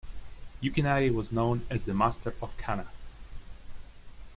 Yukinari was known as the master of kana.